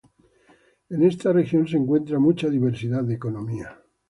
En esta región se encuentra mucha diversidad de economía.